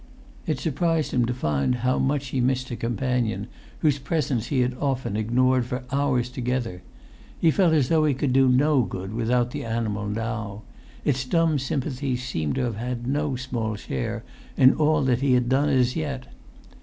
It surprised him to find how much he missed a companion whose presence he had often ignored for hours together; he felt as though he could do no good without the animal now; its dumb sympathy seemed to have had no small share in all that he had done as yet.